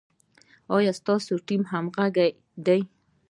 ایا ستاسو ټیم همغږی دی؟